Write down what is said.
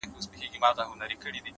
• د ورورولۍ په معنا؛